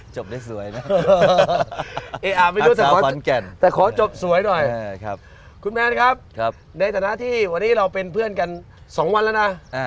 จบได้สวยนะแต่ขอจบสวยหน่อยคุณแมนครับในฐานะที่วันนี้เราเป็นเพื่อนกัน๒วันแล้วนะ